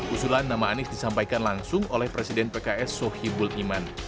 usulan nama anies disampaikan langsung oleh presiden pks sohibul iman